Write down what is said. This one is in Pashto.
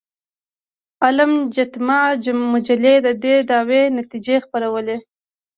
المجتمع مجلې د دې دعوې نتیجې خپرولې.